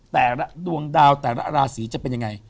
แต่ละดวงดาวแต่ละราศีจะเป็นยังไง